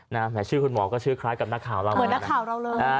แหมดชื่อคุณหมอก็ชื่อคล้ายกับนักข่าวเราเลยนะ